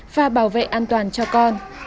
và bảo vệ an toàn cho con